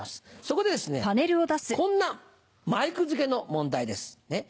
そこでですねこんな前句付けの問題です。